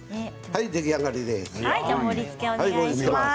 はい、出来上がりです。